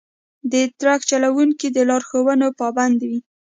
د ټرک چلونکي د لارښوونو پابند وي.